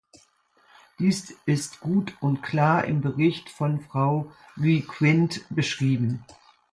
Dies ist gut und klar im Bericht von Frau Guy-Quint beschrieben.